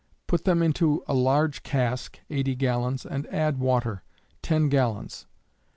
put them into a large cask (80 gallons), and add water, 10 gallons.